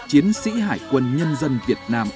chiến sĩ hải quân nhân dân việt nam